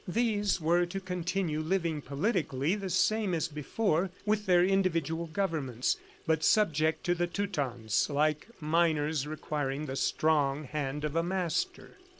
These were to continue living politically the same as before with their individual governments, but subject to the Teutons, like minors requiring the strong hand of a master.